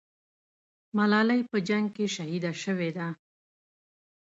ملالۍ په جنگ کې شهیده سوې ده.